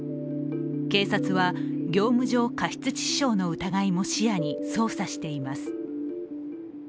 警察は業務上過失致死傷の疑いも視野に捜査しています。